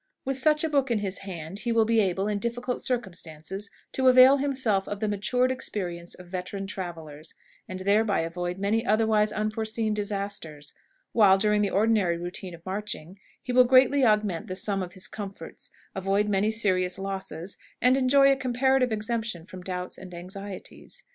With such a book in his hand, he will be able, in difficult circumstances, to avail himself of the matured experience of veteran travelers, and thereby avoid many otherwise unforeseen disasters; while, during the ordinary routine of marching, he will greatly augment the sum of his comforts, avoid many serious losses, and enjoy a comparative exemption from doubts and anxieties.